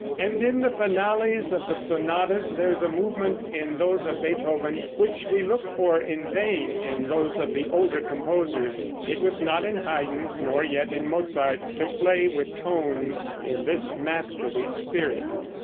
And, in the finales of the sonatas there is a movement in those of Beethoven which we look for in vain in those of the older composers. It was not in Haydn, nor yet in Mozart, to play with tones in this masterly spirit.